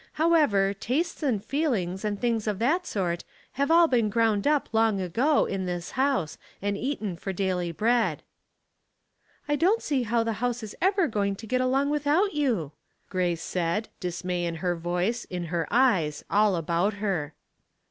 However, tastes and feelings, and things of that sort, have all been ground up long ago, in this house, and eaten for daily bread." "I don't see how the house is ever going to get along without you !" Grace said, dismay in her voice, in her eyes, all about her.